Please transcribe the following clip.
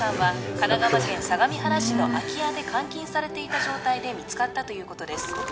神奈川県相模原市の空き家で監禁されていた状態で見つかったということです